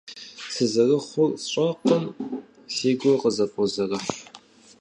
Сызэрыхъур сщӀэркъым, си гур къызэфӀозэрыхь.